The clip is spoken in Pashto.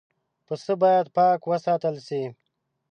پسه باید پاک وساتل شي.